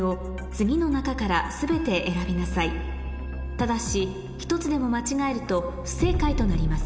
ただし１つでも間違えると不正解となります